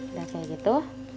udah kayak gitu